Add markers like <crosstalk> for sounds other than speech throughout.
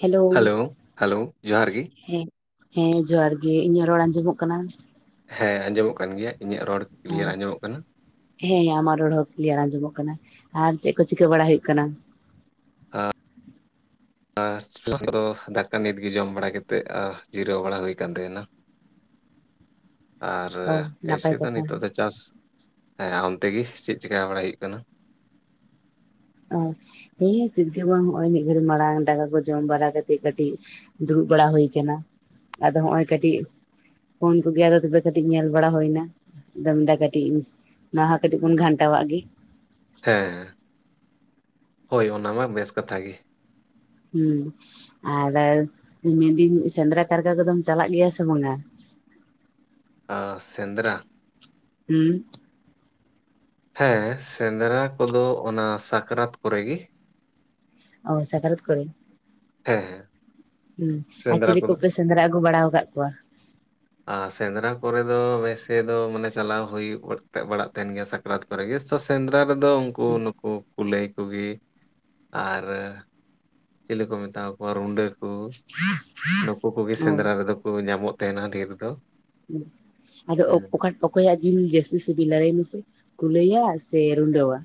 Hello hello ᱡᱚᱦᱟᱨ ᱜᱮ᱾ ᱦᱮᱸ ᱦᱮᱸ ᱡᱚᱦᱟᱨ ᱜᱮ ᱤᱧᱟᱹᱜ ᱨᱚᱲ ᱟᱸᱡᱚᱢᱚᱜ ᱠᱟᱱᱟ ᱦᱮᱸ ᱟᱸᱡᱚᱢᱚᱜ ᱠᱟᱱ ᱜᱮᱭᱟ ᱤᱧᱟᱹᱜ ᱨᱚᱲ ᱠᱞᱤᱭᱟᱨ ᱟᱸᱡᱚᱢᱚᱜ ᱠᱟᱱᱟ ᱦᱮᱸ ᱦᱮᱸ ᱟᱢᱟᱜ ᱨᱚᱲ ᱦᱚᱸ ᱠᱞᱤᱭᱟᱨ ᱟᱸᱡᱚᱢᱚᱜ ᱠᱟᱱᱟ ᱟᱨ ᱪᱮᱫ ᱠᱚ ᱪᱤᱠᱟᱹ ᱵᱟᱲᱟ ᱦᱩᱭᱩᱜ ᱠᱟᱱᱟ ᱟᱨ <unintelligible> ᱠᱚᱫᱚ ᱫᱟᱠᱟ ᱱᱤᱛᱜ ᱜᱮ ᱡᱚᱢ ᱵᱟᱲᱟᱛᱮᱫ ᱡᱤᱨᱟᱹᱣ ᱵᱟᱲᱟ ᱦᱩᱭ ᱟᱠᱟᱱ ᱛᱟᱦᱮᱱᱟ᱾ ᱟᱨ ᱚ ᱮᱭᱥᱮ ᱱᱟᱯᱟᱭ ᱫᱚ ᱠᱟᱛᱷᱟ ᱱᱤᱛᱚᱜ ᱫᱚ ᱪᱟᱥ ᱦᱮᱸ ᱦᱟᱱᱛᱮ ᱜᱮ ᱪᱮᱫ ᱪᱤᱠᱟ ᱵᱟᱲᱟᱭ ᱦᱩᱭᱩᱜ ᱠᱟᱱᱟ ᱚ ᱦᱮᱸ ᱪᱮᱫ ᱜᱮ ᱵᱟᱝ ᱦᱚᱸᱜᱼᱚᱭ ᱢᱤᱫ ᱜᱷᱟᱹᱲᱤᱡ ᱢᱟᱲᱟᱝ ᱫᱟᱠᱟ ᱠᱚ ᱡᱚᱢ ᱵᱟᱲᱟ ᱠᱟᱛᱮᱜ ᱠᱟᱹᱴᱤᱡ ᱫᱩᱲᱩᱵ ᱵᱟᱲᱟ ᱦᱩᱭ ᱠᱟᱱᱟ, ᱟᱫᱚ ᱦᱚᱸᱜ ᱚᱭ ᱠᱟᱹᱴᱤᱡ ᱯᱷᱳᱱ ᱠᱚᱜᱮ <unintelligible> ᱛᱚᱵᱮ ᱠᱟᱹᱴᱤᱡ ᱧᱮᱞ ᱵᱟᱲᱟ ᱦᱩᱭᱱᱟ ᱫᱚᱢ ᱫᱟ ᱠᱟᱴᱤᱡ, ᱚᱱᱟ ᱦᱚᱸ ᱠᱟᱴᱤᱡ ᱵᱚᱱ ᱜᱷᱟᱱᱴᱟᱣᱟᱜ ᱜᱮ ᱦᱮᱸ ᱦᱳᱭ ᱚᱱᱟ ᱢᱟ ᱵᱮᱥ ᱠᱟᱛᱷᱟ ᱜᱮ ᱦᱤᱸ ᱟᱨ ᱢᱮᱱᱫᱟᱹᱧ ᱥᱮᱸᱫᱽᱨᱟ ᱠᱟᱨᱠᱟ ᱠᱚᱫᱚᱢ ᱪᱟᱞᱟᱜ ᱜᱮᱭᱟ ᱥᱮ ᱵᱟᱝᱟ? ᱚ, ᱥᱮᱸᱫᱽᱨᱟ ᱦᱩᱸ ᱦᱮᱸ ᱥᱮᱸᱫᱽᱨᱟ ᱠᱚᱫᱚ ᱚᱱᱟ ᱥᱟᱠᱨᱟᱛ ᱠᱚᱨᱮ ᱜᱮ ᱚ ᱥᱟᱠᱟᱨᱛ ᱠᱚᱨᱮ ᱦᱮᱸᱻ ᱾ ᱦᱮᱸ ᱟᱨ ᱪᱤᱞᱤ ᱠᱚᱯᱮ ᱥᱮᱸᱫᱽᱨᱟ ᱟᱹᱜᱩ ᱵᱟᱲᱟ ᱟᱠᱟᱫ ᱠᱚᱣᱟ ᱟᱨ ᱥᱮᱸᱫᱽᱨᱟ ᱠᱚᱨᱮ ᱫᱚ ᱵᱮᱥᱮ ᱫᱚ ᱢᱟᱱᱮ ᱪᱟᱞᱟᱣ ᱦᱩᱭ ᱵᱟᱲᱟᱜ ᱛᱟᱦᱮᱱ ᱜᱮᱭᱟ ᱥᱟᱠᱨᱟᱛ ᱛᱯᱚᱨ ᱜᱮᱮᱚ ᱥᱮᱸᱫᱽᱨᱟ ᱨᱮᱫᱚ ᱩᱱᱠᱩ ᱱᱩᱠᱩ ᱠᱩᱞᱟᱹᱭ ᱠᱚᱜᱮ ᱟᱨ ᱪᱤᱞᱤ ᱠᱚ ᱢᱮᱛᱟ ᱠᱚᱣᱟ ᱨᱩᱰᱟᱹ ᱠᱚ ᱱᱩᱠᱩ ᱠᱚᱜᱮ ᱚ ᱥᱮᱸᱫᱽᱨᱟ ᱨᱮᱫᱚ ᱠᱚ ᱧᱟᱢᱚᱜ ᱛᱮᱱᱟ ᱰᱷᱤᱨ ᱫᱚ ᱟᱫᱚ ᱦᱮᱸ ᱚᱠ ᱚᱠᱟᱴ ᱚᱠᱚᱭᱟᱜ ᱡᱤᱞ ᱡᱟᱹᱥᱛᱤ ᱥᱤᱵᱤᱞᱟ ᱞᱟᱹᱭ ᱢᱮᱥᱮ ᱠᱩᱞᱟᱹᱭᱟ ᱥᱮ ᱨᱩᱰᱟᱹᱣᱟ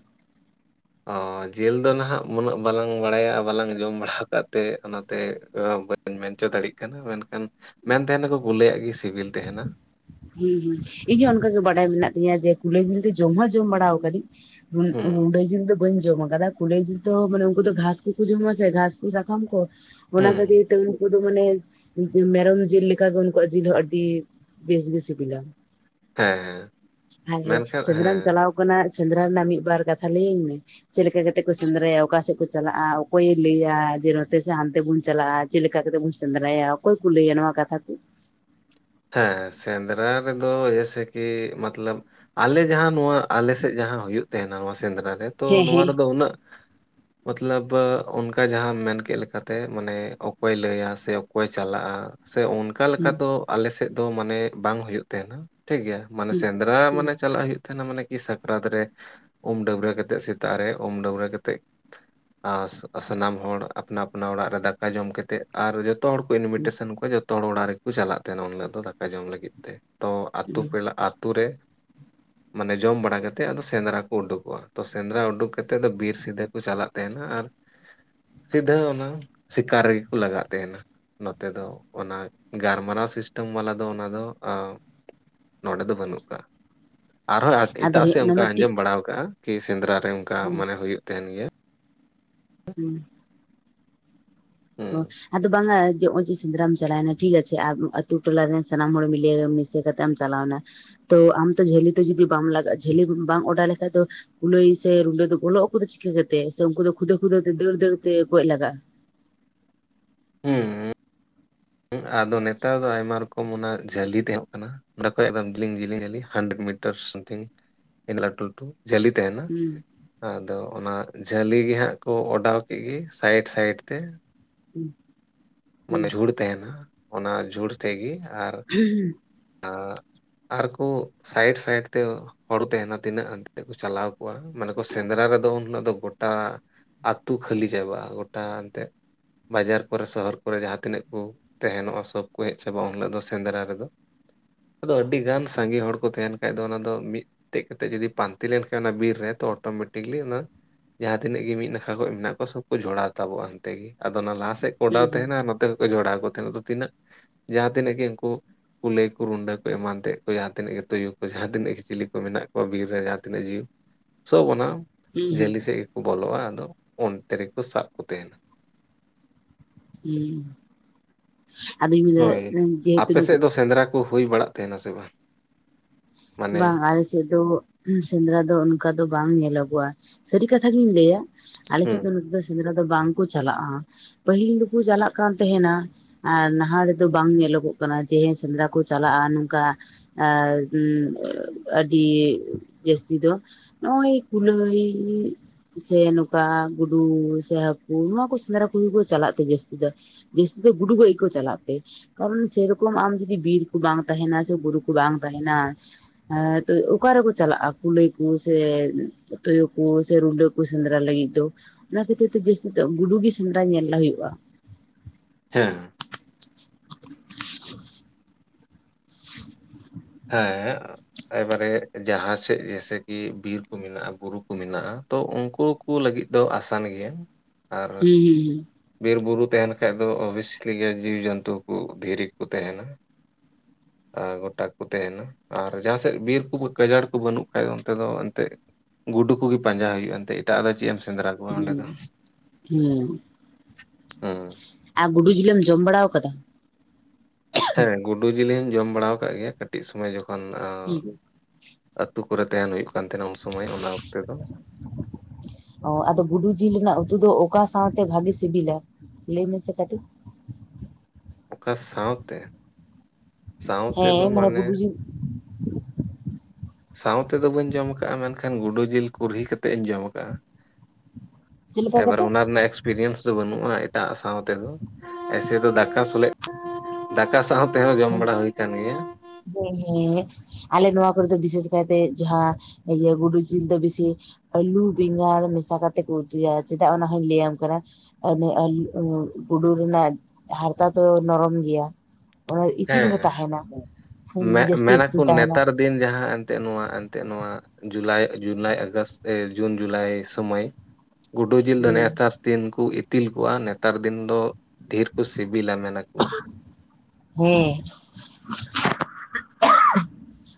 ᱚ ᱡᱤᱞ ᱫᱚ ᱱᱟᱦᱟᱜ ᱩᱱᱟᱹᱜ ᱵᱟᱞᱟᱝ ᱵᱟᱲᱟᱭᱟᱼᱟ ᱵᱟᱞᱟᱝ ᱡᱚᱢ ᱵᱟᱲᱟ ᱠᱟᱜ ᱛᱮ ᱚᱱᱟᱛᱮ -ᱟ ᱢᱮᱱᱪᱚ ᱫᱟᱲᱮᱭᱟᱜ ᱠᱟᱱᱟ ᱢᱮᱱᱠᱷᱟᱱ ᱢᱮᱱ ᱛᱟᱦᱮᱱᱟᱠᱚ ᱜᱩᱞᱟᱹᱭᱟᱜ ᱜᱮ ᱥᱤᱵᱤᱞ ᱛᱟᱦᱮᱱᱟ ᱦᱮᱸ ᱦᱮᱸ ᱤᱧ ᱦᱚᱸ ᱚᱱᱠᱟᱟᱜ ᱜᱮ ᱵᱟᱰᱟᱭ ᱢᱮᱱᱟᱜ ᱛᱤᱧᱟᱹ ᱡᱮ ᱠᱩᱞᱟᱹᱭ ᱡᱤᱞ ᱫᱚ ᱡᱚᱢ ᱦᱚᱸ ᱡᱚᱢ ᱵᱟᱲᱟ ᱟᱠᱟᱫᱤᱧ ᱦᱮᱸ ᱰᱮ ᱡ ᱫᱚ <unintelligible> ᱵᱟᱹᱧ ᱡᱚᱢ ᱟᱠᱟᱫᱟ ᱠᱩᱞᱟᱹᱭ ᱡᱤᱵᱽ ᱢᱟᱱᱮ ᱩᱱᱠᱩ ᱫᱚ ᱜᱷᱟᱥ ᱠᱚᱠᱚ ᱡᱚᱢᱟ ᱟᱥᱮ ᱜᱷᱟᱥ ᱠᱚ ᱥᱟᱠᱟᱢ ᱠᱚ ᱚᱱᱟ ᱦᱮᱸ ᱠᱷᱟᱹᱛᱤᱨ ᱛᱮ ᱩᱱᱠᱩ ᱫᱚ ᱢᱟᱱᱮ ᱢᱮᱨᱚᱢ ᱡᱤᱞ ᱞᱮᱠᱟᱜᱮ ᱩᱱᱠᱩᱣᱟᱜ ᱡᱤᱞ ᱦᱚᱸ ᱟᱹᱰᱤ ᱵᱮᱥ ᱜᱮ ᱥᱤᱵᱤᱞᱟ ᱦᱮᱸ ᱦᱮᱸ ᱟᱨ ᱢᱮᱱᱠᱷᱟᱱ ᱥᱮᱸᱫᱽᱨᱟᱢ ᱦᱮᱸ ᱪᱟᱞᱟᱣ ᱥᱮᱸᱫᱽᱨᱟ ᱨᱮᱱᱟᱜ ᱢᱤᱫᱵᱟᱨ ᱠᱟᱛᱷᱟ ᱞᱟᱹᱭᱟᱹᱧ ᱢᱮ ᱪᱮᱫ ᱞᱮᱠᱟ ᱠᱟᱛᱮᱮᱫ ᱠᱚ ᱥᱮᱸᱫᱽᱨᱟᱭᱟ ᱚᱠᱟ ᱥᱮᱫ ᱠᱚ ᱪᱟᱞᱟᱜᱼᱟ ᱚᱠᱚᱭᱮ ᱞᱟᱹᱭᱟ ᱡᱮ ᱱᱚᱛᱮ ᱥᱮ ᱦᱟᱱᱛᱮ ᱵᱚᱱ ᱪᱟᱞᱟᱜᱼᱟ ᱾ ᱪᱮᱫ ᱞᱮᱠᱟ ᱠᱟᱛᱮᱫ ᱵᱚᱱ ᱥᱮᱸᱫᱽᱨᱟᱭᱟ ᱚᱠᱚᱭ ᱠᱚ ᱞᱟᱹᱭᱟ ᱱᱚᱣᱟ ᱠᱟᱛᱷᱟ ᱠᱚ ᱦᱮᱸ ᱥᱮᱸᱫᱽᱨᱟ ᱨᱮᱫᱚ ᱡᱮᱭᱥᱮ ᱠᱤ ᱢᱟᱛᱞᱚᱵ ᱟᱞᱮ ᱡᱟᱦᱟᱸ ᱱᱚᱣᱟ ᱟᱞᱮ ᱥᱮᱫ ᱡᱟᱦᱟᱸ ᱦᱩᱭᱩᱜ ᱛᱟᱦᱮᱱᱟ ᱱᱚᱣᱟ ᱥᱮᱸᱫᱽᱨᱟ ᱨᱮ ᱛᱚ ᱦᱮᱸ ᱱᱚᱣᱟ ᱦᱮᱸ ᱨᱮᱫᱚ ᱩᱱᱟᱹᱜ ᱢᱚᱛᱞᱚᱵᱽ ᱚᱱᱠᱟ ᱡᱟᱦᱟᱸ ᱢᱮᱱ ᱠᱮᱫ ᱞᱮᱠᱟᱛᱮ ᱢᱟᱱᱮ ᱚᱠᱚᱭ ᱞᱟᱹᱭᱟ ᱥᱮ ᱚᱠᱚᱭ ᱪᱟᱞᱟᱜ-ᱟ᱾ ᱥᱮ ᱩᱱ ᱚᱱᱠᱟ ᱞᱮᱠᱟ ᱦᱩᱸ ᱫᱚ ᱟᱞᱮᱥᱮᱫ ᱫᱚ ᱢᱟᱱᱮ ᱵᱟᱝ ᱦᱩᱭᱩᱜ ᱛᱟᱦᱮᱱᱟ ᱴᱷᱤᱠᱜᱮᱭᱟ ᱢᱟᱱᱮ ᱦᱩᱸ ᱥᱮᱸᱫᱽᱨᱟ ᱢᱟᱱᱮ ᱦᱩᱸ ᱪᱟᱞᱟᱜ ᱦᱩᱭᱩᱜ, ᱛᱟᱦᱮᱱᱟ ᱢᱟᱱᱮ ᱠᱤ ᱥᱟᱠᱨᱟᱛ ᱨᱮ ᱩᱢ ᱰᱟᱹᱵᱽᱨᱟᱹ ᱠᱟᱛᱮᱜ ᱥᱮᱛᱟᱜ ᱨᱮ ᱩᱢ ᱰᱟᱹᱵᱨᱟᱹ ᱠᱟᱛᱮᱫ ᱟᱨ ᱟᱥᱟᱱᱟᱢ ᱦᱚᱲ ᱟᱯᱱᱟ ᱟᱯᱱᱟ ᱚᱲᱟᱜ ᱨᱮ ᱫᱟᱠᱟ ᱡᱚᱢ ᱠᱟᱛᱮᱫ ᱟᱨ ᱡᱚᱛᱚ ᱦᱚᱲ ᱠᱚ ᱦᱩᱸ ᱤᱱᱵᱷᱤᱴᱮᱥᱚᱱ ᱠᱚᱣᱟ ᱡᱚᱛᱚ ᱦᱚᱲ ᱚᱲᱟᱜ ᱨᱮᱠᱚ ᱪᱟᱞᱟᱜ ᱛᱟᱦᱮᱱᱟ ᱩᱱ ᱦᱤᱞᱳᱜ ᱫᱚ ᱫᱟᱠᱟ ᱡᱚᱢ ᱞᱟᱹᱜᱤᱫ ᱛᱮ ᱛᱚ ᱟᱛᱩ ᱦᱩᱸ ᱯᱮᱲᱟ ᱟᱛᱩ ᱨᱮ ᱢᱟᱱᱮ ᱡᱚᱢ ᱵᱟᱲᱟᱠᱟᱛᱮᱫ ᱟᱫᱚ ᱥᱮᱸᱫᱽᱨᱟ ᱠᱚ ᱩᱰᱩᱠᱚᱜ-ᱟ ᱛᱚ ᱥᱮᱸᱫᱽᱨᱟ ᱩᱰᱩᱠ ᱠᱟ ᱠᱟᱛᱮᱫ ᱫᱚ ᱵᱤᱨ ᱥᱮᱫᱷᱟᱹ ᱠᱚ ᱪᱟᱞᱟᱜ ᱛᱟᱦᱮᱱᱟ ᱟᱨ ᱦ <unintelligible> ᱥᱤᱫᱷᱟᱹ ᱚᱱᱟ ᱥᱤᱠᱟᱨ ᱨᱮᱜᱮ ᱠᱚ ᱞᱟᱜᱟᱜ ᱛᱟᱦᱮᱱᱟ ᱱᱚᱛᱮ ᱫᱚ ᱚᱱᱟ ᱜᱟᱞᱢᱟᱨᱟᱣ ᱥᱤᱥᱴᱮᱢ ᱵᱟᱞᱟ ᱫᱚ ᱚᱱᱟ ᱫᱚ ᱱᱚᱸᱰᱮ ᱫᱚ ᱵᱟᱹᱱᱩᱜ ᱟᱠᱟᱫᱟ ᱟᱨᱚ ᱟᱫᱚ ᱮᱴᱟᱜ ᱦᱮᱸ ᱥᱮᱫ ᱚᱱᱟ ᱚᱱᱠᱟ ᱢᱟ ᱴᱷᱤᱠ ᱟᱸᱡᱚᱢ ᱵᱟᱲᱟ ᱠᱟᱜ-ᱟ ᱠᱤ ᱥᱮᱸᱫᱽᱨᱟ ᱨᱮ ᱚᱱᱠᱟ ᱦᱩᱸ ᱢᱟᱱᱮ ᱦᱩᱭᱩᱜ ᱛᱟᱦᱮᱱ ᱜᱮᱭᱟ ᱦᱩᱸ ᱦᱩᱸ ᱚ ᱟᱫᱚ ᱵᱟᱝᱟ ᱱᱚᱜ-ᱚᱭ ᱡᱮ ᱥᱮᱸᱫᱽᱨᱟᱢ ᱪᱟᱞᱟᱣᱮᱱᱟ ᱴᱷᱤᱠ ᱜᱮᱭᱟ ᱥᱮ ᱟᱨ ᱟᱹᱛᱩ ᱴᱚᱞᱟᱨᱮᱱ ᱥᱟᱱᱟᱢ ᱦᱚᱲ ᱢᱤᱞᱮ ᱢᱤᱥᱮ ᱠᱟᱛᱮ ᱮᱢ ᱪᱟᱞᱟᱣᱱᱟ ᱛᱚ ᱟᱢ ᱛᱚ ᱡᱷᱟᱹᱞᱤ ᱛᱮ ᱡᱩᱫᱤ ᱵᱟᱢ ᱞᱟᱜᱟᱜᱼᱟ ᱡᱷᱟᱹᱞᱤ ᱵᱟᱢ ᱚᱰᱟᱣ ᱞᱮᱠᱷᱟᱡ ᱫᱚ, ᱠᱩᱞᱟᱹᱭ ᱥᱮ ᱨᱩᱸᱰᱟᱹ ᱫᱚ ᱵᱚᱞᱚᱜ ᱟᱠᱚ ᱫᱚ ᱪᱤᱠᱟᱹ ᱠᱟᱛᱮ ᱥᱮ ᱩᱱᱠᱩ ᱫᱚ ᱠᱷᱩᱫᱟᱹᱣ ᱠᱷᱩᱫᱟᱹᱣ ᱛᱮ ᱫᱟᱹᱲ ᱫᱟᱹᱲ ᱛᱮ ᱜᱚᱡ ᱞᱟᱜᱟᱜ-ᱟ᱾ <inaudible> ᱦᱮᱸ ᱟᱫᱚ ᱱᱮᱛᱟᱨ ᱫᱚ ᱟᱭᱢᱟ ᱨᱚᱠᱚᱢ ᱚᱱᱟ ᱡᱷᱟᱹᱞᱤ ᱛᱟᱦᱮᱸᱜ ᱠᱟᱱᱟ ᱚᱸᱰᱮ ᱠᱷᱚᱡ ᱮᱠᱚᱢ ᱡᱤᱞᱤᱝ ᱡᱤᱞᱤᱝ ᱡᱷᱟᱹᱞᱤ ᱦᱟᱱᱰᱮᱨᱮᱰ ᱢᱤᱴᱟᱨ ᱥᱟᱢᱛᱷᱤᱝ ᱞᱟᱹᱴᱩ ᱞᱟᱹᱴᱩ ᱡᱷᱟᱹᱞᱤ ᱛᱟᱦᱮᱱᱟ ᱦᱩᱸ ᱟᱫᱚ ᱚᱱᱟ ᱡᱷᱟᱹᱞᱤ ᱜᱮ ᱦᱟᱸᱜ ᱠᱚ ᱚᱰᱟᱣ ᱠᱮᱫ ᱜᱮ ᱥᱟᱭᱤᱰ ᱥᱟᱭᱤᱰ ᱛᱮ ᱦᱩᱸ ᱦᱩᱸ ᱢᱟᱱᱮ ᱡᱷᱩᱲ ᱛᱟᱦᱮᱱᱟ ᱚᱱᱟ ᱡᱷᱩᱲ ᱛᱮᱜᱮ ᱟᱨ ᱟ ᱟᱨᱠᱩ ᱥᱟᱭᱤᱰ ᱥᱟᱭᱤᱰ ᱛᱮ ᱦᱚᱲ ᱛᱟᱦᱮᱱᱟ ᱛᱤᱱᱟᱹᱜ ᱦᱟᱱᱛᱮ ᱛᱮᱠᱚ ᱪᱟᱞᱟᱣ ᱠᱚᱜ-ᱟ ᱢᱟᱱᱮ ᱠᱚ ᱥᱮᱸᱫᱽᱨᱟ ᱨᱮᱫᱚ ᱩᱱ ᱦᱤᱞᱳᱜ ᱫᱚ ᱜᱚᱴᱟ ᱟᱛᱩ ᱠᱷᱟᱹᱞᱤ ᱪᱟᱵᱟᱜ-ᱟ ᱜᱚᱴᱟ ᱮᱱᱛᱮᱫ ᱵᱟᱡᱟᱨ ᱠᱚᱨᱮ ᱥᱚᱦᱚᱨ ᱠᱚᱨᱮ ᱠᱚᱨᱮ ᱡᱟᱦᱟᱸ ᱛᱤᱱᱟᱹᱜ ᱠᱚ ᱛᱟᱦᱮᱱᱚᱜ-ᱟ ᱥᱚᱵ ᱠᱚ ᱦᱮᱡ ᱪᱟᱵᱟ-ᱟ ᱩᱱᱟᱜ ᱫᱚ ᱥᱮᱸᱫᱽᱨᱟ ᱨᱮᱫᱚ ᱟᱫᱚ ᱟᱹᱰᱤ ᱜᱟᱱ ᱥᱟᱸᱜᱮ ᱦᱚᱲ ᱠᱚ ᱛᱟᱦᱮᱱ ᱠᱷᱡ ᱫᱚ ᱚᱱᱟ ᱫᱚ ᱢᱤᱫ ᱢᱤᱫᱴᱮᱡ ᱠᱟᱛᱮ ᱡᱩᱫᱤ ᱯᱟᱱᱛᱤ ᱞᱮᱱᱠᱷᱟᱱ ᱚᱱᱟ ᱵᱤᱨ ᱨᱮ ᱛᱚ ᱚᱴᱳᱢᱮᱴᱤᱠᱞᱤ ᱚᱱᱟ ᱡᱟᱦᱟᱸ ᱛᱤᱱᱟᱹᱜ ᱜᱮ ᱢᱤᱫ ᱱᱟᱠᱷᱟ ᱠᱚ ᱢᱮᱱᱟᱜ ᱠᱚ ᱥᱚᱵ ᱠᱚ ᱡᱷᱚᱲᱟᱣ ᱛᱟᱵᱚ-ᱟ ᱦᱟᱱᱛᱮ ᱜᱮ ᱟᱫᱚ ᱚᱱᱟ ᱞᱟᱦᱟ ᱥᱮᱫ ᱠᱚ ᱦᱩᱸ ᱚᱰᱟᱣ ᱦᱩᱸ ᱛᱟᱦᱮᱱᱟ ᱱᱚᱛᱮ ᱠᱷᱚᱡ ᱡᱷᱚᱲᱟᱣ ᱠᱚ ᱛᱟᱦᱮᱸᱱᱟ ᱟᱫᱚ ᱛᱤᱱᱟᱹᱜ ᱡᱟᱦᱟᱸ ᱛᱤᱱᱟᱹᱜ ᱜᱮ ᱩᱱᱠᱩ ᱠᱩᱞᱟᱹᱭ ᱠᱚ ᱨᱩᱸᱰᱟᱹ ᱠᱚ ᱮᱢᱟᱱ ᱛᱮᱫ ᱠᱚ ᱡᱟᱦᱟᱸ ᱛᱤᱱᱟᱹᱜ ᱜᱮ ᱛᱩᱭᱩ ᱠᱚ ᱡᱟᱦᱟᱸ ᱛᱤᱱᱟᱹᱜ ᱜᱮ ᱪᱤᱞᱤ ᱠᱚ ᱢᱮᱱᱟᱜ ᱠᱚᱣᱟ ᱵᱤᱨ ᱨᱮ ᱡᱟᱦᱟᱸ ᱛᱤᱱᱟᱹᱜ ᱡᱤᱣᱤ ᱥᱚᱵ ᱚᱱᱟ ᱦᱩᱸ ᱡᱷᱟᱹᱞᱤ ᱦᱩᱸ ᱥᱮᱫ ᱜᱮᱠᱚ ᱵᱚᱞᱚᱜ-ᱟ, ᱟᱫᱚ ᱚᱱᱛᱮ ᱨᱮᱠᱚ ᱥᱟᱵ ᱠᱚ ᱛᱟᱦᱮᱱᱟ᱾ ᱦᱩᱸ ᱟᱫᱚᱧ ᱢᱮᱱᱫᱟ ᱡᱮᱦᱮᱛᱩ ᱱᱩᱠᱩ ᱠᱩ ᱦᱩᱭ ᱵᱟᱲᱟᱜ ᱛᱟᱦᱮᱱᱟ ᱥᱮ ᱵᱟᱝ? ᱢᱟᱱᱮ ᱵᱟᱝ ᱟᱞᱮ ᱥᱮᱫ ᱫᱚ ᱥᱮᱸᱫᱽᱨᱟ ᱫᱚ ᱚᱱᱠᱟ ᱫᱚ ᱵᱟᱝ ᱧᱮᱞᱚᱜᱚᱜᱼᱟ, ᱥᱟᱹᱨᱤ ᱠᱟᱛᱷᱟ ᱜᱤᱧ ᱞᱟᱹᱭᱟ, ᱟᱞᱮ ᱥᱮᱫ ᱦᱩᱸ ᱫᱚ ᱱᱟᱛᱮ ᱫᱚ ᱥᱮᱸᱫᱽᱨᱟ ᱫᱚ ᱵᱟᱝᱠᱚ ᱪᱟᱞᱟᱜ-ᱟ, ᱯᱟᱹᱦᱤᱞ ᱫᱚᱠᱚ ᱪᱟᱞᱟᱜ ᱠᱟᱱ ᱛᱟᱦᱮᱱᱟ᱾ ᱟᱨ ᱱᱟᱦᱟᱜ ᱨᱮᱫᱚ ᱵᱟᱝ ᱧᱮᱞᱚᱜᱚᱜ ᱠᱟᱱᱟ ᱡᱮ ᱦᱮᱸ ᱥᱮᱸᱫᱽᱨᱟ ᱠᱚ ᱪᱟᱞᱟᱜ-ᱟ, ᱱᱚᱝᱠᱟ ᱟᱨ ᱟᱹᱰᱤ ᱡᱟᱹᱥᱛᱤ ᱫᱚ ᱱᱚᱜ-ᱚᱭ ᱠᱩᱞᱟᱹᱭ ᱤᱧ ᱥᱮ ᱱᱚᱝᱠᱟ ᱜᱩᱰᱩ ᱥᱮ ᱦᱟᱹᱠᱩ ᱱᱚᱣᱟᱠᱩ ᱥᱮᱸᱫᱽᱨᱟ ᱠᱚᱜᱮ ᱠᱚ ᱪᱟᱞᱟᱜ ᱛᱮ ᱡᱟᱹᱥᱛᱤ ᱫᱚ᱾ ᱡᱮᱥᱛᱤ ᱫᱚ ᱜᱩᱰᱩᱜᱟᱡ ᱠᱚ ᱪᱟᱞᱟᱠᱛᱮ᱾ ᱠᱟᱨᱚᱱ ᱥᱮᱨᱚᱠᱚᱢ ᱟᱢ ᱡᱩᱫᱤ ᱵᱤᱨ ᱠᱚ ᱵᱟᱝ ᱛᱟᱦᱮᱱᱟ, ᱥᱮ ᱵᱩᱨᱩ ᱠᱚ ᱵᱟᱝ ᱛᱟᱦᱮᱱᱟ, ᱮᱸᱜ ᱚᱠᱟ ᱨᱮᱠᱚ ᱪᱟᱞᱟᱜ-ᱟ ᱠᱩᱞᱟᱹᱭ ᱠᱚ ᱥᱮ ᱛᱩᱭᱩ ᱠᱚ ᱥᱮ ᱨᱩᱸᱰᱟᱹ ᱠᱩ ᱥᱮᱸᱫᱽᱨᱟ ᱞᱟᱹᱜᱤᱫ ᱫᱚ ᱚᱱᱟ ᱠᱷᱟᱹᱛᱤᱨ ᱛᱮ ᱡᱟᱹᱥᱛᱤ ᱫᱚ ᱜᱩᱰᱩ ᱜᱮ ᱥᱮᱸᱫᱽᱨᱟ ᱧᱮᱞ ᱦᱩᱭᱩᱜ-ᱟ᱾ ᱦᱮᱸ ᱦᱮᱸ ᱮᱵᱟᱨᱮ ᱡᱟᱦᱟᱸ ᱥᱮᱫ ᱡᱮᱭᱮᱥᱮ ᱠᱤ ᱵᱤᱨ ᱠᱚ ᱢᱮᱱᱟᱜᱼᱟ ᱵᱩᱨᱩ ᱠᱚ ᱢᱮᱱᱟᱜᱼᱟ ᱾ ᱛᱚ ᱩᱱᱠᱩ ᱠᱚ ᱞᱟᱹᱜᱤᱫ ᱫᱚ ᱟᱥᱟᱱ ᱜᱮᱭᱟ ᱟᱨ ᱦᱩᱸ ᱵᱤᱨ ᱵᱩᱨᱩ ᱛᱟᱦᱮᱱ ᱠᱷᱟᱱ ᱫᱚ ᱳᱵᱤᱭᱮᱥᱞᱤ ᱜᱮ ᱡᱤᱣᱡᱚᱱᱛᱩᱠᱩ ᱫᱷᱤᱨᱤ ᱠᱚ ᱛᱟᱦᱮᱱᱟ ᱾ ᱟᱨ ᱜᱚᱴᱟ ᱠᱚ ᱛᱟᱦᱮᱱᱟ ᱟᱨ ᱡᱟᱦᱟᱸ ᱥᱮᱫ ᱵᱤᱨ ᱠᱚ ᱜᱟᱡᱟᱲ ᱠᱚ ᱵᱟᱹᱱᱩᱜ ᱠᱷᱟᱡ ᱚᱱᱛᱮ ᱫᱚ ᱮᱱᱛᱮᱫ ᱜᱩᱰᱩ ᱠᱚᱜᱮ ᱯᱟᱸᱡᱟ ᱦᱩᱭᱩᱜᱼᱟᱱᱛᱮ ᱮᱴᱟᱜ ᱫᱚᱫᱚ ᱪᱮᱫ ᱮᱢ ᱥᱮᱸᱫᱽᱨᱟ ᱠᱚᱣᱟ ᱚᱸᱰᱮ ᱫᱚ ᱦᱩᱸ ᱦᱮᱸ ᱾ ᱦᱩᱸ ᱟᱨ ᱜᱩᱰᱩ ᱡᱤᱞᱮᱢ ᱡᱚᱢ ᱵᱟᱲᱟ ᱠᱟᱫᱟ? ᱦᱮᱸ ᱜᱩᱰᱩ ᱡᱤᱞᱤᱧ ᱡᱚᱢ ᱵᱟᱲᱟ ᱠᱟᱜ ᱜᱮᱭᱟ ᱠᱟᱹᱴᱤᱡ ᱥᱚᱢᱚᱭ ᱡᱚᱠᱷᱚᱱ ᱟᱹᱛᱩ ᱠᱚᱨᱮ ᱛᱟᱦᱮᱱ ᱦᱩᱭᱩᱜ ᱠᱟᱱ ᱛᱟᱦᱮᱱᱟ ᱩᱱ ᱥᱚᱢᱚᱭ ᱚᱱᱟ ᱚᱠᱛᱮ ᱫᱚ ᱾ <inaudible> ᱚ ᱟᱫᱚ ᱜᱩᱰᱩ ᱡᱤᱞ ᱨᱮᱱᱟᱜ ᱩᱛᱩ ᱫᱚ ᱚᱠᱟ ᱥᱟᱶᱛᱮ ᱵᱷᱟᱜᱤ ᱥᱤᱵᱤᱞᱟ ᱞᱟᱹᱭ ᱢᱮᱥᱮ ᱠᱟᱹᱴᱤᱡ? ᱚᱠᱟ ᱥᱟᱶᱛᱮ? ᱥᱟᱶᱛᱮ ᱫᱚ ᱦᱮᱸ ᱢᱟᱱᱮ ᱜᱩᱰᱩ ᱡᱤᱞ ᱥᱟᱶ ᱛᱮᱫᱚ ᱵᱟᱹᱧ ᱡᱚᱢ ᱠᱟᱜᱼᱟ, ᱢᱮᱱᱠᱷᱟᱱ ᱜᱩᱰᱳ ᱡᱤᱞ ᱠᱩᱨᱦᱤ ᱠᱟᱛᱮᱜ ᱤᱧ ᱡᱚᱢ ᱟᱠᱟᱟᱜᱼᱟ ᱾ ᱪᱮᱫ ᱞᱮᱠᱟ ᱮᱵᱟᱨ ᱠᱟᱛᱮ ᱚᱱᱟ ᱨᱮᱱᱟᱜ ᱮᱠᱥᱯᱨᱤᱭᱮᱱᱥ ᱫᱚ ᱵᱟᱹᱱᱩᱜᱼᱟ ᱮᱴᱟᱜ ᱥᱟᱶ ᱛᱮᱫᱚ᱾ ᱮᱥᱮ ᱛᱚ ᱫᱟᱠᱟ ᱥᱞᱮᱜ, ᱫᱟᱠᱟ ᱥᱟᱶ ᱛᱮᱦᱚᱸ ᱡᱚᱢ ᱵᱟᱲᱟ ᱦᱩᱭ ᱠᱟᱱᱟᱱ ᱜᱮᱭᱟ ᱾ ᱦᱮᱸ ᱦᱮᱸ ᱾ ᱟᱞᱮ ᱱᱚᱣᱟ ᱠᱚᱨᱮ ᱫᱚ ᱵᱤᱥᱮᱥ ᱠᱟᱭᱛᱮ ᱡᱟᱦᱟᱸ ᱤᱭᱟᱹ ᱜᱩᱰᱩ ᱡᱤᱞ ᱫᱚ ᱵᱮᱥᱤ ᱟᱹᱞᱩ ᱵᱮᱸᱜᱟᱲ ᱢᱮᱥᱟ ᱠᱟᱛᱮᱫ ᱠᱚ ᱩᱛᱩᱭᱟ ᱪᱮᱫᱟᱜ ᱚᱱᱟ ᱦᱚᱧ ᱞᱟᱹᱭᱟᱢ ᱠᱟᱱᱟ ᱾ ᱚᱱᱮ ᱟᱞᱩ ᱜᱩᱰᱩ ᱨᱮᱱᱟᱜ ᱦᱟᱨᱛᱟ ᱫᱚ ᱱᱚᱨᱚᱢ ᱜᱮᱭᱟ ᱾ ᱚᱱᱟ ᱤᱛᱤᱞ ᱦᱚᱸ ᱛᱟᱦᱮᱱᱟ ᱾ ᱢᱮ ᱢᱮᱱᱟᱠᱚ ᱱᱮᱛᱟᱨ ᱫᱤᱱ ᱡᱟᱦᱟᱸ ᱮᱱᱛᱜ ᱱᱚᱣᱟ ᱮᱱᱛᱜ ᱱᱚᱣᱟ ᱡᱩᱞᱟᱭ ᱡᱩᱞᱟᱭ ᱟᱜᱚᱥᱴ ᱡᱩᱱ ᱡᱩᱞᱟᱭ ᱥᱚᱢᱚᱭ ᱜᱩᱰᱩ ᱡᱤᱞ ᱫᱚ ᱦᱮᱸ ᱱᱮᱛᱟᱨ ᱫᱤᱱ ᱠᱚ ᱤᱛᱤᱞ ᱠᱚᱜᱼᱟ ᱱᱮᱛᱟᱨ ᱫᱤᱱ ᱫᱚ ᱰᱷᱮᱨ ᱠᱚ ᱥᱤᱵᱤᱞᱟ ᱢᱮ ᱦᱚᱸ ᱾ ᱦᱮᱸ ᱾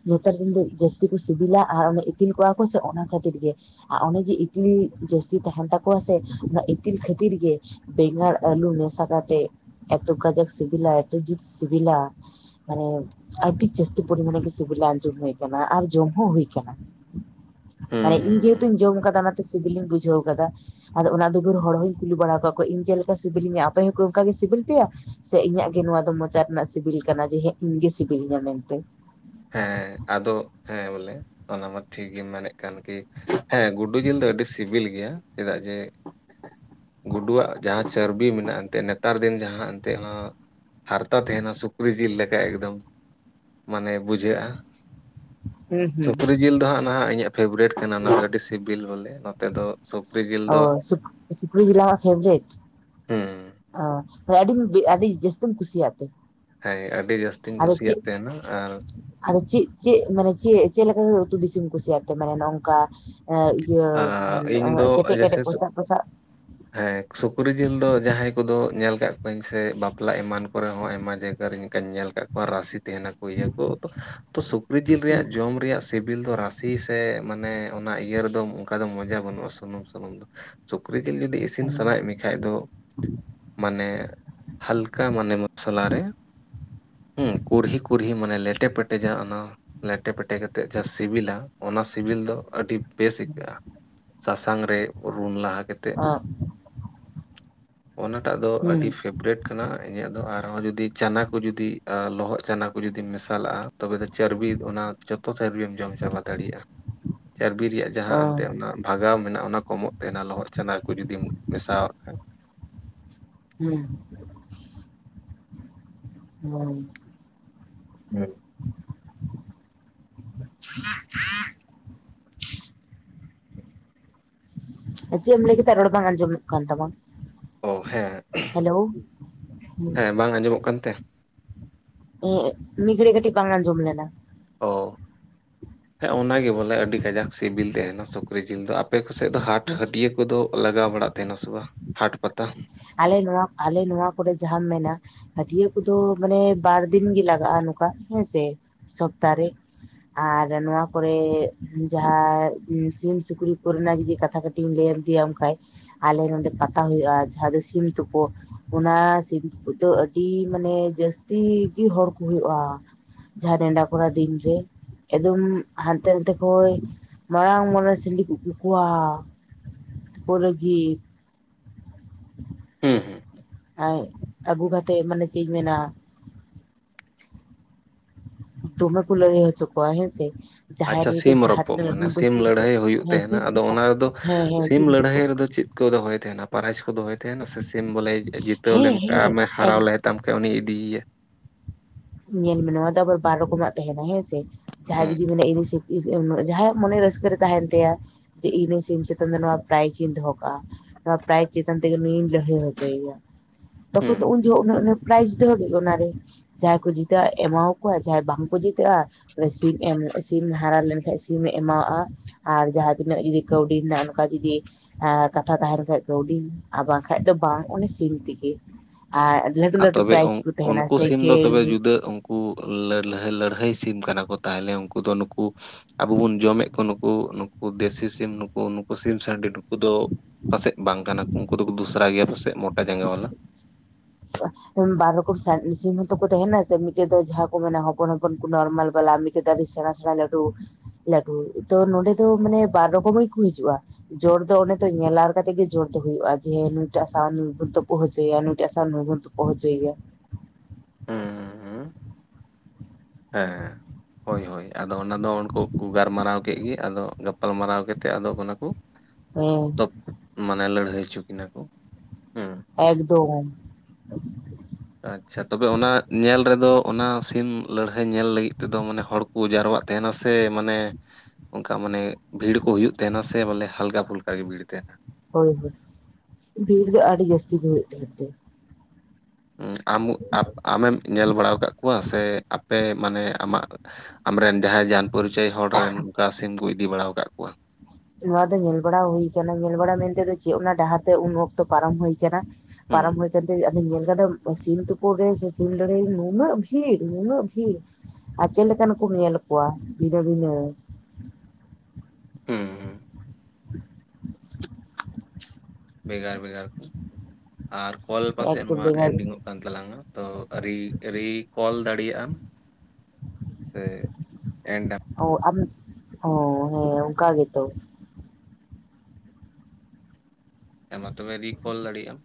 ᱱᱮᱛᱟᱨᱤᱱ ᱫᱚ ᱡᱟᱹᱥᱛᱤ ᱠᱚ ᱥᱤᱵᱤᱞᱟ ᱟᱨ ᱚᱱᱮ ᱤᱛᱤᱞ ᱠᱚᱜᱼᱟ ᱠᱚ ᱥᱮ ᱚᱱᱟ ᱠᱷᱟᱹᱛᱤᱨ ᱜᱮ ᱾ ᱟᱨ ᱚᱱᱮ ᱡᱮ ᱤᱛᱤᱞ ᱡᱟᱹᱥᱛᱤ ᱛᱟᱦᱮᱱ ᱛᱟᱠᱚᱣᱟ ᱥᱮ ᱚᱱᱟ ᱤᱛᱤᱞ ᱠᱷᱟᱹᱛᱤᱨ ᱜᱮ ᱾ ᱵᱮᱸᱜᱟᱲ ᱟᱹᱞᱩ ᱢᱮᱥᱟ ᱠᱟᱛᱮᱜ ᱮᱛᱚ ᱠᱟᱡᱟᱠ ᱥᱤᱵᱤᱞᱟ ᱮᱛᱚ ᱡᱩᱛ ᱥᱤᱵᱤᱞᱟ ᱾ ᱢᱟᱱᱮ ᱟᱹᱰᱤ ᱡᱟᱹᱥᱛᱤᱢ ᱯᱚᱨᱤᱢᱟᱱ ᱜᱮ ᱥᱤᱵᱤᱞ <unintelligible> ᱟᱸᱡᱚᱢ ᱦᱩᱭ ᱟᱠᱟᱱᱟ ᱟᱨ ᱡᱚᱢ ᱦᱚᱸ ᱦᱩᱭᱩ ᱟᱠᱟᱱᱟ ᱾ ᱦᱩᱸ ᱢᱟᱱᱮ ᱤᱧ ᱦᱩᱸ ᱦᱩᱸ ᱡᱮᱦᱮᱛᱩᱧ ᱡᱚᱢ ᱟᱠᱟᱫᱟ ᱚᱱᱟᱮ ᱥᱤᱵᱤᱞᱤᱧ ᱵᱩᱡᱷᱣ ᱠᱟᱫᱟ ᱾ ᱟᱫᱚ ᱚᱱᱟ ᱵᱮᱜᱟᱹᱨ ᱦᱚᱲ ᱦᱚᱧ ᱠᱩᱞᱤ ᱵᱟᱲᱟ ᱟᱠᱟᱫ ᱠᱚᱣᱟ ᱤᱧ ᱪᱮᱫ ᱞᱮᱠᱟ ᱥᱤᱵᱤᱞᱤᱧᱟᱹ ᱟᱯᱮ ᱦᱚᱸᱠᱚ ᱚᱱᱠᱟᱜ ᱜᱮ ᱥᱤᱵᱤᱞ ᱯᱮᱭᱟ ᱾ ᱥᱮ ᱤᱧᱟᱹᱜ ᱜᱮ ᱱᱚᱣᱟ ᱫᱚ ᱢᱚᱪᱟ ᱨᱮᱱᱟᱜ ᱥᱤᱵᱤᱞ ᱠᱟᱱᱟ ᱡᱮ ᱦᱮᱸ ᱤᱧᱜᱮ ᱥᱤᱵᱤᱞᱤᱧᱟ ᱢᱮᱱᱛᱮ ᱾ ᱦᱮᱸ ᱟᱫᱚ ᱦᱮᱸ ᱵᱚᱞᱮ ᱚᱱᱟ ᱢᱟ ᱴᱷᱤᱠ ᱜᱮᱢ ᱢᱮᱱᱮᱫ ᱠᱟᱱ ᱠᱤ ᱾ ᱦᱮᱸ ᱜᱩᱰᱩ ᱡᱤᱞ ᱫᱚ ᱟᱹᱰᱤ ᱥᱤᱵᱤᱞ ᱜᱮᱭᱟ ᱪᱮᱫᱟᱜ ᱡᱮ ᱾ ᱜᱩᱰᱩᱣᱟᱜ ᱡᱟᱦᱟᱸ ᱪᱚᱨᱵᱤ ᱢᱮᱱᱟᱜᱼᱟ ᱮᱱᱛᱮᱫ ᱱᱮᱛᱟᱨ ᱫᱤᱱ ᱡᱟᱦᱟᱸ ᱮᱱᱛᱮᱫ ᱦᱚᱸᱜ᱾ ᱦᱟᱨᱛᱟ ᱛᱟᱦᱮᱱᱟ ᱥᱩᱠᱨᱤ ᱡᱤᱞ ᱞᱮᱠᱟ ᱮᱠᱫᱚᱢ ᱢᱟᱱᱮ ᱾ ᱵᱩᱡᱷᱟᱹᱜᱼᱟ ᱦᱩᱸ ᱦᱩᱸ ᱥᱩᱠᱨᱤ ᱡᱤᱞ ᱫᱚ ᱦᱟᱸᱜ ᱱᱟᱦ ᱤᱧᱟᱹᱜ ᱾ ᱯᱷᱮᱵᱟᱨᱮᱴ ᱠᱟᱱᱟ ᱚᱱᱟ ᱟᱹᱰᱤ ᱥᱤᱵᱤᱞ ᱵᱚᱞᱮ ᱱᱚᱛᱮ ᱫᱚ ᱾ ᱚ ᱥᱩᱠᱥᱩᱠᱨᱤ ᱡᱤᱞ ᱟᱢᱟᱜ ᱯᱷᱮᱵᱨᱮᱴ ᱾ ᱦᱮᱸ ᱾ ᱚ ᱢᱟᱱᱮ ᱟᱹᱰᱤ ᱟᱹᱰᱤ ᱡᱟᱹᱥᱛᱤᱢ ᱠᱩᱥᱤᱭᱟᱜ ᱛᱮ ᱾ ᱦᱮᱸ ᱟᱹᱰᱤ ᱡᱟᱹᱥᱛᱤᱧ ᱠᱩᱥᱤᱭᱟᱜ ᱛᱟᱦᱮᱱᱟ ᱟᱨ ᱾ ᱟ ᱫᱚ ᱪᱤᱜ? ᱪᱮᱜ ᱢᱟᱱᱮ ᱪᱮᱫ ᱪᱮᱫ ᱞᱮᱠᱟ? ᱩᱛᱩ ᱵᱤᱥᱤᱢ ᱠᱩᱥᱤᱭᱟᱜ ᱛᱮ ᱢᱟᱱᱮ ᱱᱚᱝᱠᱟ ᱾ ᱮ ᱤᱭᱟᱹ ᱟᱨ ᱤᱧ ᱫᱚ ᱠᱮᱴᱮᱡ ᱡᱮᱭᱥᱮ ᱠᱮᱴᱮᱡ ᱠᱚᱥᱟ ᱠᱚᱥᱟ ᱾ ᱦᱮᱸ ᱥᱩᱠᱨᱤ ᱡᱤᱞ ᱫᱚ ᱡᱟᱦᱟᱸᱭ ᱠᱚᱫᱚ ᱧᱮᱞ ᱟᱠᱟᱫ ᱠᱚᱣᱟᱹᱧ ᱥᱮ ᱵᱟᱯᱞᱟ ᱮᱢᱟᱱ ᱠᱚᱨᱮ ᱦᱚᱸ ᱟᱭᱢᱟ ᱡᱟᱭᱜᱟᱨᱮ ᱠᱟᱧ ᱧᱮᱞ ᱨᱟᱥᱤᱮ ᱛᱟᱦᱮᱱᱟᱠᱚ ᱤᱭᱟᱹ ᱠᱚ ᱛᱚ ᱥᱩᱠᱨᱤ ᱡᱤᱞ ᱦᱩᱸ ᱨᱮᱭᱟᱜ ᱡᱚᱢ ᱨᱮᱭᱟᱜ ᱾ ᱥᱤᱵᱤᱞ ᱫᱚ ᱨᱟᱥᱮ ᱥᱮ ᱢᱟᱱᱮ ᱚᱱᱟ ᱤᱭᱟᱹ ᱨᱮᱫᱚ ᱚᱱᱠᱟ ᱫᱚ ᱢᱚᱡᱟ ᱵᱟᱹᱱᱩᱜᱼᱟ ᱥᱩᱱᱩᱢ ᱥᱩᱱᱩᱢ ᱫᱚ ᱾ ᱥᱩᱠᱨᱤ ᱡᱤᱞ ᱡᱩᱫᱤ ᱤᱥᱤᱱ ᱦᱩᱸ ᱥᱟᱱᱟᱭᱮᱫ ᱢᱮᱭᱟ ᱾ ᱠᱷᱟᱡ ᱫᱚ ᱢᱟᱱᱮ ᱦᱟᱞᱠᱟ ᱢᱟᱱᱮ ᱢᱚᱥᱞᱟ ᱨᱮ ᱦᱩᱸ ᱠᱩᱨᱦᱤ ᱠᱩᱨᱦᱤ ᱢᱟᱱᱮ ᱞᱮᱴᱮ ᱯᱮᱴᱮᱡᱟ ᱚᱱᱟ ᱞᱮᱴᱮ ᱯᱮᱴᱮ ᱠᱟᱛᱮᱫ ᱡᱟ ᱥᱤᱵᱤᱞᱟ ᱚᱱᱟ ᱥᱤᱵᱤᱞ ᱫᱚ ᱟᱹᱰᱤ ᱵᱮᱥ ᱟ ᱥᱟᱥᱟᱝ ᱨᱮ ᱨᱩᱱ ᱞᱟᱦᱟ ᱠᱮᱛ ᱚ ᱚᱱᱟᱴᱟᱜ ᱫᱚ ᱟᱹᱰᱤ ᱯᱷᱮᱵᱨᱮᱴ ᱠᱟᱱᱟ ᱤᱧᱟᱹᱜ ᱫᱚ ᱟᱨᱦᱚᱸ ᱡᱩᱫᱤ ᱪᱟᱱᱟ ᱠᱚ ᱡᱩᱫᱤ ᱞᱚᱦᱚᱫ ᱪᱟᱱᱟ ᱠᱚ ᱡᱩᱫᱤ ᱢᱮᱥᱟᱞᱟᱜᱼᱟ ᱛᱚᱵᱮ ᱫᱚ ᱪᱟᱨᱵᱤ ᱚᱱᱟ ᱡᱚᱛᱚ ᱪᱟᱨᱵᱤᱢ ᱡᱚᱢ ᱪᱟᱵᱟ ᱫᱟᱲᱮᱭᱟᱜᱼᱟ ᱪᱟᱨᱵᱤ ᱨᱮᱭᱟᱜ ᱡᱟᱦᱟᱸ ᱮᱱᱛᱮ ᱚᱱᱟ ᱵᱷᱟᱜᱟᱣ ᱢᱮᱱᱟᱜᱼᱟ ᱚᱱᱟ ᱠᱚᱢᱚᱜ ᱛᱟᱦᱮᱱᱟ ᱞᱚᱦᱚᱫ ᱪᱟᱱᱟ ᱠᱚ ᱡᱩᱫᱤᱢ ᱢᱮᱥᱟᱣᱟᱜ ᱠᱷᱟᱱ ᱦᱮᱸ ᱾ <unintelligible> ᱦᱩᱸ <unintelligible> <unintelligible> ᱪᱮᱫ ᱮᱢ ᱞᱟᱹᱭ ᱠᱮᱫᱟ ᱨᱚᱲ ᱵᱟᱝ ᱟᱸᱡᱚᱢᱚᱜ ᱠᱟᱱ ᱛᱟᱢᱟ ᱚ ᱦᱮᱸ ᱦᱮᱞᱳ ᱦᱮᱸ ᱵᱟᱝ ᱟᱸᱡᱚᱢᱚᱜ ᱠᱟᱱ ᱛᱮ ᱢᱤᱫ ᱜᱷᱟ. ᱲᱤ ᱠᱟᱹᱴᱤᱡ ᱵᱟᱝ ᱟᱡᱚᱢ ᱞᱮᱱᱟ ᱚ ᱦᱮᱸ ᱚᱱᱟ ᱜᱮ ᱵᱚᱞᱮ ᱟᱹᱰᱤ ᱠᱟᱡᱟᱠ ᱥᱤᱵᱤᱞ ᱛᱟᱦᱮᱱᱟ ᱥᱚ ᱠᱨᱤ ᱡᱤᱞ ᱫᱚ ᱟᱯᱮ ᱠᱚ ᱥᱮᱫ ᱫᱚ ᱦᱟᱴ ᱦᱮᱸ ᱦᱟᱹᱴᱤᱭᱟᱹ ᱠᱚᱫᱚ ᱞᱟᱜᱟᱣ ᱵᱟᱲᱟᱜ ᱛᱟᱦᱮᱱᱟ ᱥᱮ ᱵᱟᱝ ᱦᱟᱴ ᱯᱟᱛᱟ ᱟᱞᱮ ᱱᱚᱣᱟ ᱟᱞᱮ ᱱᱚᱣᱟ ᱠᱚᱨᱮ ᱡᱟᱦᱟᱸᱢ ᱢᱮᱱᱟ ᱦᱟᱹᱴᱭᱟᱹ ᱠᱚᱫᱚ ᱢᱟᱱᱮ ᱵᱟᱨ ᱫᱤᱱ ᱜᱮ ᱞᱟᱜᱟᱜᱼᱟ᱾ ᱱᱚᱠᱟ ᱦᱮᱸᱥᱮ ᱥᱚᱯᱛᱟᱦᱮ ᱟᱨ ᱱᱚᱣᱟ ᱠᱚᱨᱮ ᱡᱟᱦᱟᱸ ᱥᱤᱢ ᱥᱩᱠᱨᱤ ᱠᱚᱨᱮᱱᱟᱜ ᱡᱩᱫᱤ ᱠᱟᱛᱷᱟ <unintelligible> <unintelligible> ᱠᱷᱟᱡ ᱟᱞᱮ ᱱᱚᱰᱮ ᱯᱟᱛᱟ ᱦᱩᱭᱩᱜᱼᱟ ᱡᱟᱦᱟᱸ ᱫᱚ ᱥᱤᱢ ᱛᱩᱯᱩ ᱚᱱᱟ ᱥᱤᱢ ᱛᱩᱯᱩᱫ ᱫᱚ ᱟᱹᱰᱤ ᱢᱟᱱᱮ ᱡᱟᱹᱥᱛᱤ ᱜᱮ ᱦᱚᱲ ᱠᱚ ᱦᱩᱭᱩᱜᱼᱟ᱾ ᱡᱟᱦᱟᱸ ᱱᱮᱰᱟ ᱠᱚᱨᱟ ᱫᱤᱱᱨᱮ ᱮᱠᱫᱚᱢ ᱦᱟᱱᱛᱮ ᱱᱟᱛᱮ ᱠᱷᱚᱡ ᱢᱟᱨᱟᱝ ᱢᱟᱨᱟᱝ ᱥᱤᱸᱰᱤ ᱠᱚ ᱜᱩ ᱠᱚᱣᱟ᱾ ᱯᱚᱨᱮ ᱜᱤ ᱦᱩᱸ ᱦᱩᱸ ᱟᱡ ᱟᱹᱜᱩ ᱠᱟᱛᱮᱫ ᱢᱟᱱᱮ ᱪᱮᱫ ᱤᱧ ᱢᱮᱱᱟ ᱫᱚᱢᱮ ᱠᱚ ᱞᱟᱹᱲᱦᱟᱹᱭ ᱩᱪᱩ ᱠᱚᱣᱟ ᱦᱮᱸᱥᱮ ᱡᱟᱦᱟᱸᱭ ᱟᱪᱪᱷᱟ ᱨᱮᱜᱮ ᱥᱤᱢ ᱡᱟᱦᱟᱸ ᱨᱚᱯᱚᱜ ᱛᱤᱱᱟᱹᱜ ᱞᱟᱹᱴᱩ ᱢᱟᱱᱮ ᱞᱟᱹᱴᱩ ᱥᱤᱢ ᱠᱚ ᱞᱟᱹᱲᱦᱟᱹᱭ ᱦᱩᱭᱩᱜ ᱦᱮᱸ ᱛᱟᱦᱮᱱᱟ᱾ ᱥᱤᱢ ᱟᱫᱚ ᱛᱩᱯᱩᱜ ᱚᱱᱟ ᱨᱮᱫᱚ ᱦᱮᱸ ᱦᱮᱸ ᱥᱤᱢ ᱞᱟᱹᱲᱦᱟᱹᱭ ᱛᱩᱯᱩᱜ ᱨᱮᱫᱚ ᱪᱮᱫ? ᱠᱚ ᱫᱚᱦᱚᱭ ᱛᱟᱦᱮᱱᱟ ᱯᱟᱨᱟᱡᱽ ᱠᱚ ᱫᱚᱦᱚᱭ ᱛᱟᱦᱮᱱᱟ ᱥᱮ ᱥᱤᱢ ᱵᱚᱞᱮ ᱡᱤᱛᱟᱹᱣ ᱦᱮᱸ ᱞᱮᱱᱠᱷᱟ ᱦᱮᱸ ᱱᱮ ᱮᱠ ᱦᱟᱨᱟᱣ ᱞᱮᱫ ᱛᱟᱢ ᱠᱷᱟᱡ ᱩᱱᱤᱭ ᱤᱫᱤᱭᱮᱭᱟ ᱾ ᱧᱮᱞ ᱢᱮ ᱱᱚᱣᱟ ᱫᱚ ᱟᱵᱟᱨ ᱵᱟᱨ ᱨᱚᱠᱚᱢᱟᱜ ᱛᱟᱦᱮᱸᱱᱟ ᱦᱮᱸᱥᱮ ᱡᱟᱦᱟᱸᱭ ᱦᱩᱸ ᱡᱩᱫᱤ ᱢᱮᱱᱟ ᱤᱧ ᱡᱟᱦᱟᱸᱭᱟᱜ ᱢᱚᱱᱮ ᱨᱟᱹᱥᱠᱟᱹ ᱨᱮ ᱛᱟᱦᱮᱸᱱ ᱛᱟᱭᱟ ᱡᱮ ᱤᱧ ᱦᱚ ᱥᱤᱢ ᱪᱮᱛᱟᱱ ᱨᱮ ᱱᱚᱣᱟ ᱯᱨᱟᱭᱤᱡᱽ ᱤᱧ ᱫᱚᱦᱚ ᱠᱟᱜᱼᱟ ᱾ ᱟ ᱯᱨᱟᱭᱤᱡ ᱪᱮᱛᱟᱱ ᱛᱮᱜᱮ ᱱᱩᱭᱤᱧ ᱞᱟᱹᱲᱦᱟᱹᱭ ᱦᱚᱪᱚᱭᱼᱭᱟ᱾ ᱦᱩᱸ ᱛᱚᱠᱷᱚᱱ ᱫᱚ ᱩᱱ ᱡᱚᱠᱷᱚᱡ ᱯᱨᱟᱭᱤᱡ ᱫᱚᱦ ᱠᱮᱜ ᱜᱮ ᱚᱱᱟᱨᱮ ᱡᱟᱦᱟᱸᱭ ᱠᱚ ᱡᱤᱛᱟᱹᱜᱼᱟ ᱮᱢᱟ ᱠᱚᱣᱟ ᱡᱟᱦᱟᱸᱭ ᱵᱟᱝ ᱠᱚ ᱡᱤᱛᱟᱹᱜᱼᱟ ᱥᱤᱢ ᱮᱢ ᱥᱤᱢ ᱦᱟᱨᱟᱣ ᱞᱮᱱᱠᱷᱟᱱ ᱥᱤᱢᱮ ᱮᱢᱟᱣᱟᱜᱼᱟ ᱾ ᱟᱨ ᱡᱟᱦᱟᱸ ᱛᱤᱱᱟᱹᱜ ᱡᱩᱫᱤ ᱠᱟᱹᱣᱰᱤ ᱦᱮᱱᱟᱜᱼᱟ ᱚᱱᱠᱟ ᱡᱩᱫᱤ ᱮ ᱠᱟᱛᱷᱟ ᱛᱟᱦᱮᱸᱱ ᱠᱷᱟᱡ ᱠᱟᱹᱣᱰᱤ ᱟᱨ, ᱵᱟᱝᱠᱷᱟᱡ ᱫᱚ ᱵᱟᱝ ᱩᱱᱤ ᱥᱤᱢ ᱛᱤᱜᱮ, ᱟ ᱞᱟᱹᱴᱩ ᱟᱨ ᱞᱟᱹᱴᱩ ᱛᱚᱵᱮ ᱯᱨᱟᱭᱤᱡ ᱩᱱ- ᱠᱚ ᱛᱟᱦᱮᱱᱟ ᱩᱱᱠᱩ ᱥᱮ ᱾ ᱥᱤᱢ ᱫᱚ ᱛᱚᱵᱮ ᱡᱩᱫᱟᱹ ᱩᱱᱠᱩ ᱞᱟᱹᱲᱦᱟᱹ ᱞᱟᱹᱲᱦᱟᱹᱭ ᱥᱤᱢ ᱠᱟᱱᱟ ᱠᱚ ᱛᱟᱦᱚᱞᱮ ᱩᱱᱠᱩ ᱫᱚ ᱱᱩᱠᱩ? ᱟᱵᱚ ᱵᱚᱱ ᱡᱚᱢᱮᱫ ᱠᱚ ᱱᱩᱠᱩ ᱱᱩᱠᱩ ᱫᱮᱥᱤ ᱥᱤᱢ ᱱᱩᱠᱩ ᱱᱩᱠᱩ ᱥᱤᱢ ᱥᱟᱺᱰᱤ ᱱᱩᱠᱩ ᱫᱚ ᱯᱟᱟᱥᱮᱡ ᱵᱟᱝ ᱠᱟᱱᱟ ᱠᱚ, ᱩᱱᱠᱩ ᱫᱚᱠᱚ ᱫᱚᱥᱨᱟ ᱜᱮᱭᱟ ᱯᱟᱥᱮᱡ ᱢᱚᱴᱟ ᱡᱟᱸᱜᱟ ᱵᱟᱞᱟ? <inaudible> ᱵᱟᱨ ᱨᱚᱠᱚᱢ ᱥᱟᱨ ᱥᱤᱢ ᱦᱚᱸᱛᱚ ᱠᱚ ᱛᱟᱦᱮᱱᱟ ᱥᱮ ᱢᱤᱫᱴᱮᱡ ᱫᱚ ᱡᱟᱦᱟᱸ ᱠᱚ ᱢᱮᱱᱟ ᱦᱚᱯᱚᱱ ᱦᱚᱯᱚᱱ ᱠᱚ ᱱᱚᱨᱢᱟᱞ ᱵᱟᱞᱟ᱾ ᱱᱚᱛᱮ ᱫᱚ ᱟᱹᱰᱤ ᱥᱮᱸᱬᱟ ᱥᱮᱸᱬᱟ ᱞᱟᱹᱴᱩ ᱞᱟᱹᱴᱩ, ᱛᱚ ᱱᱚᱰᱮ ᱫᱚ ᱢᱟᱱᱮ ᱵᱟᱨ ᱨᱚᱠᱚᱢ ᱜᱮᱠᱚ ᱦᱤᱡᱩᱜᱼᱟ᱾ ᱡᱳᱨ ᱫᱚ ᱚᱱᱮ ᱛᱚ ᱧᱮᱞᱟᱨ ᱠᱟᱛᱮ ᱜᱮ ᱡᱳᱨ ᱫᱚ ᱦᱩᱭᱩᱜᱼᱟ, ᱡᱮ ᱱᱩᱭᱴᱟᱜ ᱥᱟᱶ ᱱᱩᱭ ᱵᱚ ᱛᱳᱯᱳᱫ ᱦᱚᱪᱚᱭ ᱭᱟ ᱱᱩᱭᱴᱟᱜ ᱱᱩᱭ ᱵᱳᱱ ᱛᱩᱯᱩᱫ ᱦᱚᱪᱚᱭ ᱭᱟ ᱾ ᱦᱩᱸ ᱦᱮᱸᱮᱸ᱾ ᱦᱳᱭ ᱦᱳᱭ ᱟᱫᱚ ᱚᱱᱟ ᱫᱚ ᱩᱱᱠᱩ ᱠᱚ ᱜᱟᱞᱢᱟᱨᱟᱣ ᱠᱮᱜ ᱜᱮ, ᱟᱫᱚ ᱜᱟᱯᱟᱞ ᱢᱟᱨᱟᱣ ᱠᱮᱛᱮ ᱟᱫᱚ ᱚᱱᱟ ᱠᱚ ᱦᱩᱸ ᱛᱚᱯ ᱢᱟᱱᱮ ᱞᱟᱹᱲᱦᱟᱹᱭ ᱦᱚᱪᱩ ᱠᱤᱱᱟᱹ ᱠᱚ ᱦᱮᱸ ᱾ ᱮᱠᱫᱚᱢ ᱾ ᱟᱪᱪᱷᱟ ᱛᱚᱵᱮ ᱚᱱᱟ ᱧᱮᱞ ᱨᱮᱫᱚ ᱚᱱᱟ ᱥᱤᱢ ᱞᱟᱹᱲᱦᱟᱹᱭ ᱧᱮᱞ ᱞᱟᱹᱜᱤᱫ ᱛᱮᱫᱚ ᱢᱟᱱᱮ ᱦᱚᱲ ᱠᱚ ᱡᱟᱨᱣᱟᱜ ᱛᱟᱦᱮᱸᱱᱟ ᱥᱮ ᱢᱟᱱᱮ ᱚᱱᱠᱟ ᱢᱟᱱᱮ ᱵᱷᱤᱲ ᱠᱚ ᱦᱩᱭᱩᱜ ᱛᱟᱦᱮᱸᱱᱟ ᱥᱮ, ᱵᱚᱞᱮ ᱦᱟᱞᱠᱟ ᱯᱩᱞᱠᱟ ᱜᱮ ᱵᱷᱤᱲ ᱛᱟᱦᱮᱸᱱᱟ? ᱦᱳᱭ ᱦᱳᱭ ᱵᱷᱤᱲ ᱫᱚ ᱟᱹᱰᱤ ᱡᱟᱹᱥᱛᱤ ᱜᱮ ᱦᱩᱭᱩᱜ ᱛᱟᱦᱮᱸᱱᱟ ᱛᱚ᱾ ᱟᱢ ᱟᱢᱮᱢ ᱧᱮᱞ ᱵᱟᱲᱟ ᱟᱠᱟᱫ ᱠᱚᱣᱟ ᱥᱮ ᱟᱯᱮ? ᱢᱟᱱᱮ ᱟᱢᱟᱜ ᱟᱢᱨᱮᱱ ᱡᱟᱦᱟᱸᱭ ᱡᱟᱱ ᱯᱚᱨᱤᱪᱚᱭ ᱦᱚᱲ ᱨᱮᱱ ᱚᱱᱠᱟ ᱥᱤᱢᱠᱩ ᱤᱫᱤ ᱵᱟᱲᱟ ᱟᱠᱟᱫ ᱠᱚᱣᱟ? ᱱᱚᱣᱟ ᱫᱚ ᱧᱮᱞ ᱵᱟᱲᱟ ᱦᱩᱭ ᱠᱟᱱᱟ ᱧᱮᱞ ᱵᱟᱲᱟ ᱢᱮᱱᱛᱮ ᱫᱚ ᱪᱮᱫ, ᱚᱱᱟ ᱰᱟᱦᱟᱨ ᱛᱮ ᱩᱱ ᱚᱠᱛᱚ ᱯᱟᱨᱚᱢ ᱦᱩᱭ ᱠᱟᱱᱟ᱾ ᱦᱩᱸ ᱯᱟᱨᱚᱢ ᱦᱩᱭ ᱠᱟᱱᱛᱮ ᱧᱮᱞ ᱠᱟᱛᱮᱜ ᱥᱤᱢ ᱛᱳᱯᱳᱜ ᱨᱮ ᱥᱮ ᱥᱤᱢ ᱞᱟᱲᱦᱟᱹᱭ ᱨᱮ, ᱱᱩᱱᱟᱹ ᱵᱷᱤᱲ ᱱᱩᱱᱟᱹ ᱵᱷᱤᱲ᱾ ᱟᱨ ᱪᱮᱫ ᱞᱮᱠᱟᱱ ᱠᱚᱢ ᱧᱮᱞ ᱠᱚᱣᱟ ᱵᱷᱤᱱᱟᱹ ᱵᱷᱤᱱᱟᱹ᱾ ᱦᱮᱸᱻᱦᱮᱸᱻ᱾ <unintelligible> ᱵᱷᱮᱜᱟᱨ ᱵᱷᱮᱜᱟᱨ ᱠᱚ, ᱟᱨ ᱠᱚᱞ ᱯᱟᱥᱮᱡ ᱮᱠᱫᱚᱢ ᱱᱚᱣᱟ ᱵᱷᱮᱜᱟᱨ ᱮᱱᱰᱤᱝᱚᱜ ᱛᱟᱞᱟᱝᱟ ᱛᱚ ᱟᱹᱨᱤ ᱟᱹᱨᱤ ᱠᱚᱞ ᱫᱟᱲᱮᱭᱟᱜᱼᱟᱢ ᱾ <unintelligible> ᱚ ᱟᱢ ᱦᱮᱸ ᱚᱱᱠᱟ ᱜᱮᱛᱚ ᱾ ᱦᱮᱸ ᱢᱟ ᱛᱚᱵᱮ ᱨᱤᱠᱚᱞ ᱫᱟᱲᱮᱭᱟᱜᱼᱟᱢ᱾